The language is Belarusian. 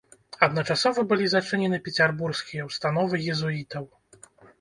Адначасова былі зачынены пецярбургскія ўстановы езуітаў.